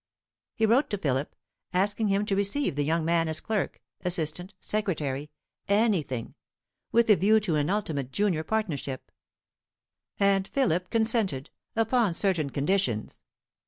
He wrote to Philip, asking him to receive the young man as clerk, assistant, secretary anything, with a view to an ultimate junior partnership; and Philip consented, upon certain conditions.